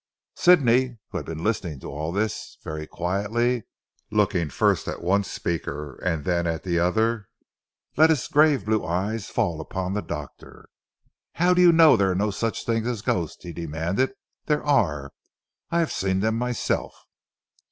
Sidney who had been listening to all this very quietly looking first at one speaker and then at the other, let his grave blue eyes fall upon the doctor. "How do you know that there are no such things as ghosts?" he demanded. "There are. I have seen them myself."